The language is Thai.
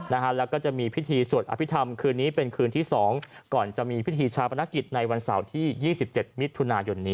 แล้วก็จะมีพิธีสวดอภิษฐรรมคืนนี้เป็นคืนที่๒ก่อนจะมีพิธีชาปนักจิตในวันเสาร์ที่๒๗มิตรทุนายน